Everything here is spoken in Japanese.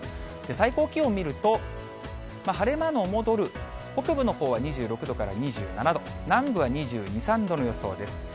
最高気温を見ると、晴れ間の戻る北部のほうは２６度から２７度、南部は２２、３度の予想です。